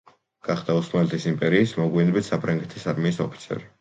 გახდა ოსმალეთის იმპერიის, მოგვიანებით საფრანგეთის არმიის ოფიცერი.